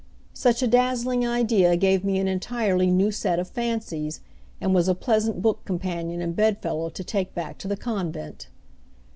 Such a dazzling idea gave me an entirely new set of fancies, and was a pleasant book companion and bedfellow to take back to the convent.